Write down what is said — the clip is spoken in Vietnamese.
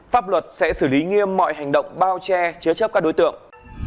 pháp luật sẽ xử lý nghiêm mọi hành động bao che chứa chấp các đối tượng